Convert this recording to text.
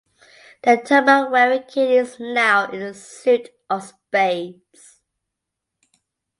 The turban wearing king is now in the suit of spades.